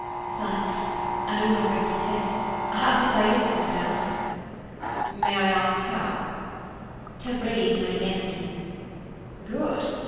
"Thanks, I no longer need it. I have decided for myself." "May I ask how?" "To brave my enemy." "Good!